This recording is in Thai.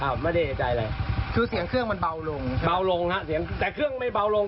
ไม่ได้เอกใจอะไรคือเสียงเครื่องมันเบาลงเบาลงฮะเสียงแต่เครื่องไม่เบาลง